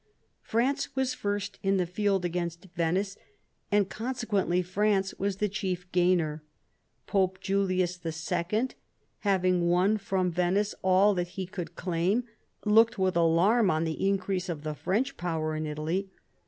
France was first in the field against Venice, and consequently France was the chief gainer. Pope Julius II., having won from Venice all that he could claim, looked with alarm on the increase of the French power in Italy.